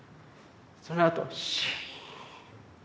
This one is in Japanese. そのあとシーン。